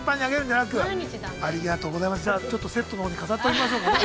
じゃあ、ちょっとセットのほうに飾っておきましょうかね。